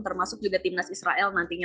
termasuk juga timnas israel nantinya